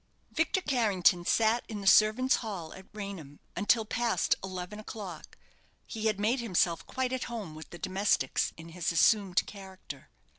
Victor Carrington sat in the servants' hall at Raynham until past eleven o'clock. He had made himself quite at home with the domestics in his assumed character.